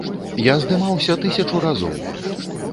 Я здымаўся тысячу разоў!